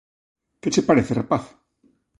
Que che parece, rapaz?